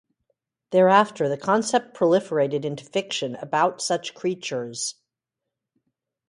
Thereafter, the concept proliferated into fiction about such creatures.